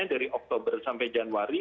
dari oktober sampai januari